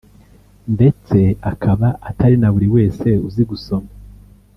ndetse akaba atari na buri wese uzi gusoma